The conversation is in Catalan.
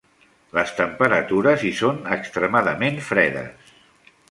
Les temperatures hi són extremadament fredes.